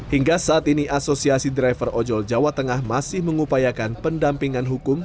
hingga saat ini asosiasi driver ojol jawa tengah masih mengupayakan pendampingan hukum